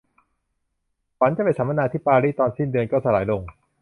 ฝันจะไปสัมมนาที่ปารีสตอนสิ้นเดือนก็สลายลง